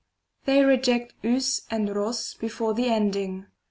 They reject vg and qog before the ending.